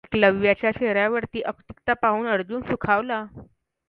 एकलव्याच्या चेहऱ्यावरची अगतिकता पाहून अर्जुन सुखावला.